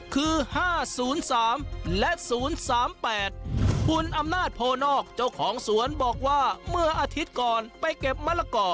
คือห้าศูนย์สามและศูนย์สามแปดหุ่นอำนาจโพนอกเจ้าของสวนบอกว่าเมื่ออาทิตย์ก่อนไปเก็บมะละกอ